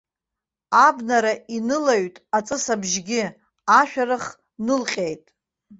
Абнара инылаҩт аҵыс абжьгьы, ашәарах нылҟьеит.